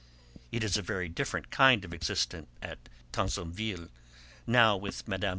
It is a very different kind of existence at Tansonville now with Mme.